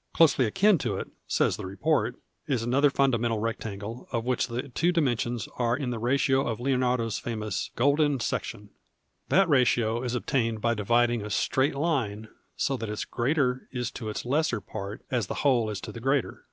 " Closely akin "' to it, says the report, is another fundamental rectangle, of which the two dimensions arc in tlic ratio of Leonardo's famous " golden section." That ratio is obtained by dividing a straight line so that its greater is to its lesser part as the whole is to the greater.